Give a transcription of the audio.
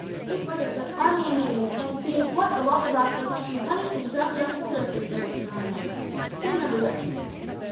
Just look at the army and navy, and see what a lot of rascals have to be punished and drummed out of the service every now and then. Same everywhere.